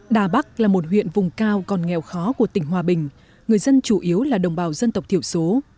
đà bắc là một huyện vùng cao còn nghèo khó của tỉnh hòa bình người dân chủ yếu là đồng bào dân tộc thiểu số